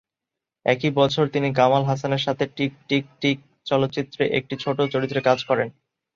একই বছর তিনি কামাল হাসানের সাথে "টিক টিক টিক" চলচ্চিত্রে একটি ছোট চরিত্রে কাজ করেন।